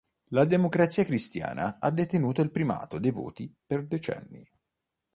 La Democrazia Cristiana ha detenuto il primato dei voti per decenni.